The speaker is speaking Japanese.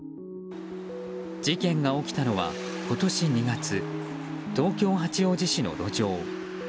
事件が起きたのは今年２月、東京・八王子市の路上。